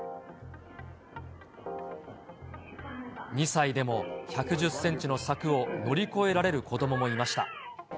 ２歳でも１１０センチの柵を乗り越えられる子どももいました。